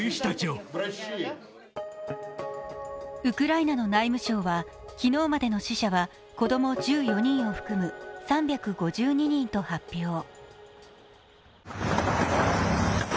ウクライナの内務省は昨日までの死者は子供１４人を含む３５２人と発表。